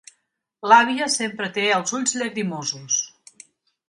L'àvia sempre té els ulls llagrimosos.